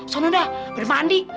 sonoda beri mandi